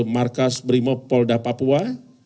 markas brimob polda papua